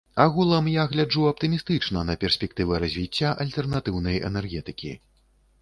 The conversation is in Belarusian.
Агулам я гляджу аптымістычна на перспектывы развіцця альтэрнатыўнай энергетыкі.